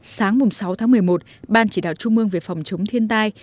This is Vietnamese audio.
sáng sáu tháng một mươi một ban chỉ đạo trung mương về phòng chống thiên tai